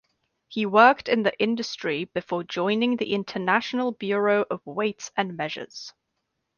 He worked in the industry before joining the International Bureau of Weights and Measures.